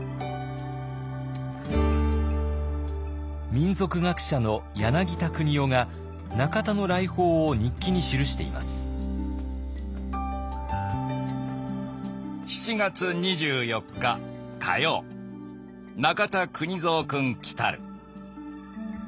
民俗学者の柳田国男が中田の来訪を日記に記しています。